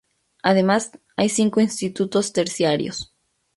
Además, hay cinco institutos terciarios.